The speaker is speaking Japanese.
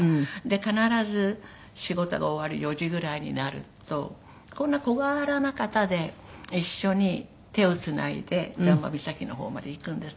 必ず仕事が終わる４時ぐらいになるとこんな小柄な方で一緒に手をつないで残波岬の方まで行くんです。